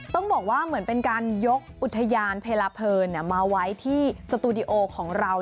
ต้องบอกว่าเหมือนเป็นการยกอุทยานเพลาเพลินมาไว้ที่สตูดิโอของเรา